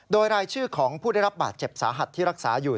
โดยรายชื่อของผู้ได้รับบาดเจ็บสาหัสที่รักษาอยู่